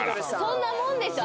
そんなもんですよ